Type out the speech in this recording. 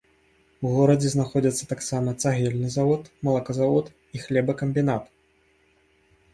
У горадзе знаходзяцца таксама цагельны завод, малаказавод і хлебакамбінат.